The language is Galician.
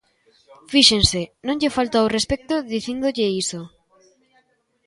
Fíxense: non lle falto ao respecto dicíndolle iso.